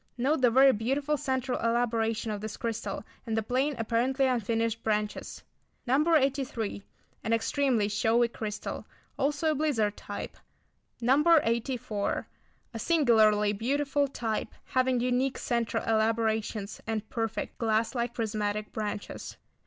Note the very beautiful centre elaboration of this crystal, and the plain, apparently unfinished branches. No. 83. An extremely showy crystal; also a blizzard type. No. 84. A singularly beautiful type, having unique centre elaborations, and perfect, glass like prismatic branches.